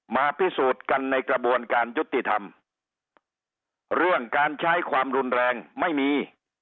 มาพิสูจน์กันในกระบวนการยุติธรรมเรื่องการใช้ความรุนแรงไม่มี